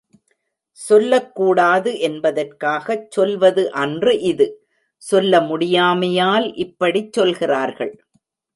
சொல்லக்கூடாது என்பதற்காகச் சொல்வது அன்று இது, சொல்ல முடியாமையால் இப்படிச் சொல்கிறார்கள்.